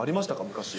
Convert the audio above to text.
昔。